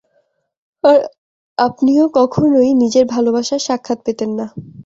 আর আপনিও কখনোই নিজের ভালোবাসার সাক্ষাৎ পেতেন না।